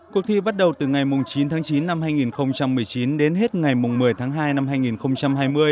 cuộc thi bắt đầu từ ngày chín tháng chín năm hai nghìn một mươi chín đến hết ngày một mươi tháng hai năm hai nghìn hai mươi